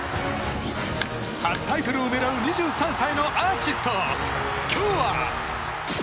初タイトルを狙う２３歳のアーティスト、今日は？